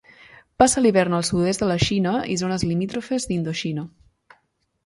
Passa l'hivern al sud-est de la Xina i zones limítrofes d'Indoxina.